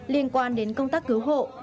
liên quan đến công tác cứu hộ